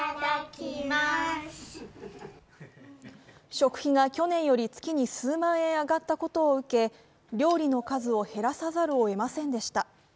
食費が去年より月に数万円上がったことを受け、料理の数を減らさざるを得ませんでした。